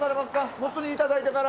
モツ煮、いただいてから？